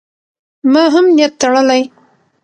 ما هم نیت تړلی.